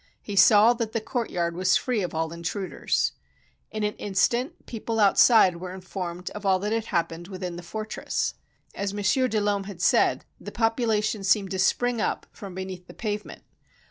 He saw that the courtyard was free of all intruders. In an instant the people outside were informed of all that had happened within the fortress. As Monsieur de Losme had said, the population seemed to spring up from beneath the pavement.